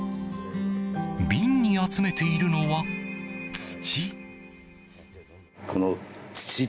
瓶に集めているのは土。